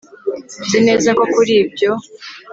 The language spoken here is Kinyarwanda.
nzi neza ko kuri ibyo